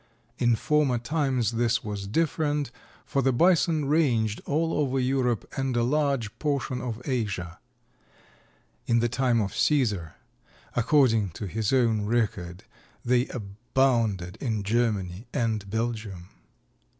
"In former times this was different, for the bison ranged all over Europe and a large portion of Asia." In the time of Cæsar, according to his own record, they abounded in Germany and Belgium.